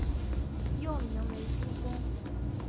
幼名为珠宫。